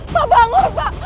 pak bangun pak